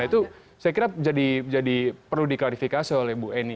itu saya kira jadi perlu diklarifikasi oleh bu eni